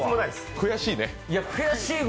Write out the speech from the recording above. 悔しいね。